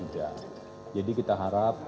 jadi kita harap